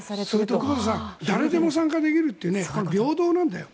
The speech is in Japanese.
それと誰でも参加できるという平等なんだよ。